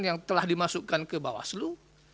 yang telah dimasukkan ke bawaslu